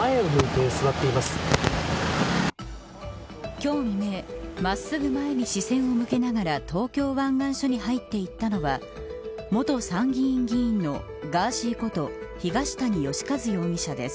今日未明真っすぐ前に視線を向けながら東京湾岸署に入っていったのは元参議院議員のガーシーこと東谷義和容疑者です。